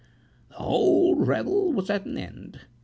the whole revel was at an end.